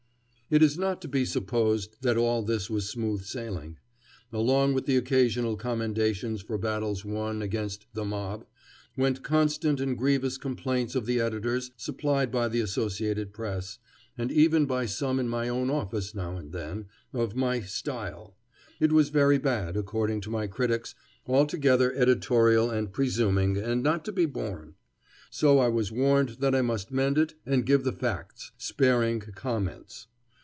It is not to be supposed that all this was smooth sailing. Along with the occasional commendations for battles won against "the mob" went constant and grievous complaints of the editors supplied by the Associated Press, and even by some in my own office now and then, of my "style." It was very bad, according to my critics, altogether editorial and presuming, and not to be borne. So I was warned that I must mend it and give the facts, sparing comments.